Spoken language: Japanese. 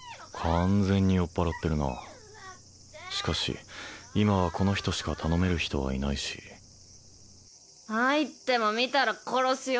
完全に酔っ払ってるなしかし今はこの人しか頼める人はいないし入っても見たら殺すよ